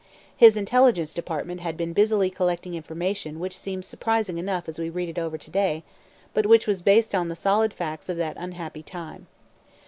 His Intelligence Department had been busily collecting information which seems surprising enough as we read it over to day, but which was based on the solid facts of that unhappy time.